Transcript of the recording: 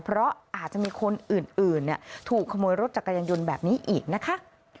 เพราะอาจจะมีคนอื่นถูกขโมยรถจักรยานยนต์แบบนี้อีกนะคะ